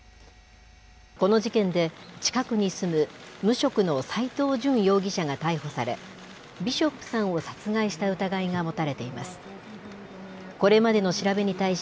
この事件で、近くに住む無職の斎藤淳容疑者が逮捕され、ビショップさんを殺害した疑いが持たれています。